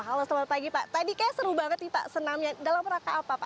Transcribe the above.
halo selamat pagi pak tadi kayaknya seru banget nih pak senamnya dalam rangka apa pak